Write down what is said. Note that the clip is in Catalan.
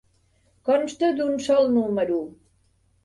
Consta d'un sol número.